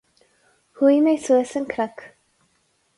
Chuaigh mé suas an cnoc.